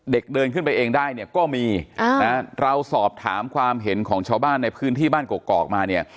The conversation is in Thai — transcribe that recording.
เด็กเดินขึ้นไปเองได้เนี่ยก็มีเราสอบถามความเห็นของชาวบ้านในพื้นที่บ้านกอกมาเนี่ย